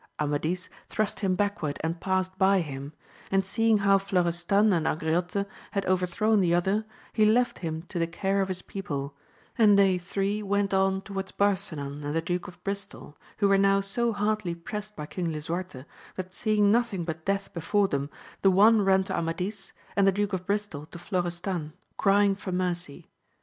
Amadis thrust him backward and passed by him ; and seeing how Florestan and Angriote had overthrown the other, he left him to the care of his people, and they three went on towards Barsinan and the Duke of Bristol, who were now so hardly pressed by King Ldsuarte, that seeing nothing but death before them, the one ran to Amadis, and the Duke of Bristol to Florestan, crying for mercy.